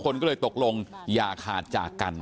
เพราะไม่เคยถามลูกสาวนะว่าไปทำธุรกิจแบบไหนอะไรยังไง